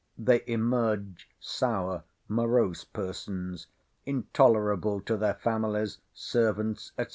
They emerge sour, morose persons, intolerable to their families, servants, &c.